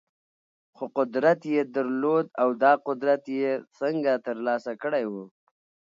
خو قدرت يې درلود او دا قدرت يې څنګه ترلاسه کړی و؟